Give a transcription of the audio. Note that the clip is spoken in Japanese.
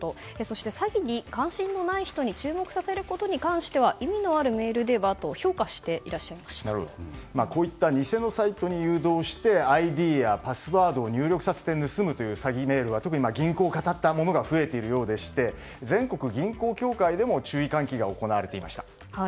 そして、詐欺に関心のない人に注目させることに関しては意味のあるメールではとこういった偽のサイトに誘導してＩＤやパスワードを入力させて盗むという詐欺メールは特に銀行をかたったものが増えているようでして全国銀行協会でも注意喚起が行われていました。